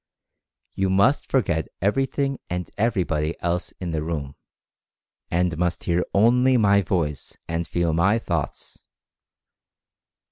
You must forget every thing and everybody else in the room, and must hear only my voice and feel my thoughts.